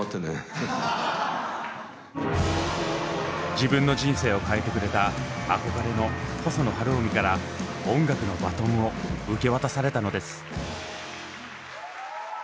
自分の人生を変えてくれた憧れの細野晴臣から音楽のバトンを受け渡されたのです。